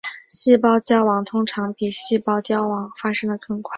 细胞焦亡通常比细胞凋亡发生的更快。